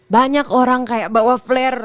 banyak orang kayak bawa flare